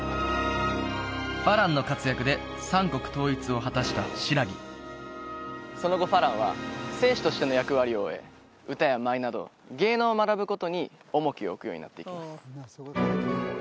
花郎の活躍で三国統一を果たした新羅その後花郎は戦士としての役割を終え歌や舞など芸能を学ぶことに重きを置くようになっていきます